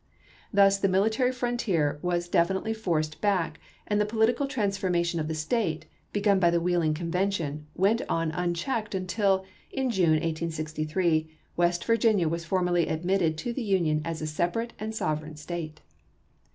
Thus the military frontier was definitely forced back, and the political transformation of the State, begun by the Wheeling Convention, went on un checked until, in June, 1863, West Vu giuia was formally admitted to the Union as a separate and sovereign State.